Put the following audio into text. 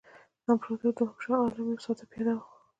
امپراطور دوهم شاه عالم یو ساده پیاده وو.